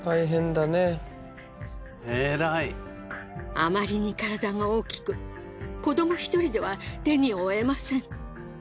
あまりに体が大きく子ども一人では手に負えません。